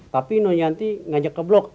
tapi no yanti ngajak ke blok